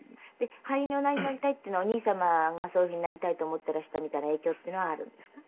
俳優におなりになりたいっていうのはお兄様がそういうふうになりたいと思っていらしたみたいな影響っていうのはあるんですか？